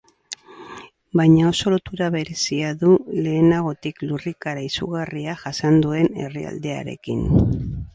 Baina oso lotura berezia du lehenagotik lurrikara izugarria jasan duen herrialdearekin.